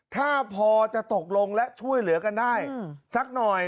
ถ้าพอจะตกลงและช่วยเหลือกันได้สักหน่อย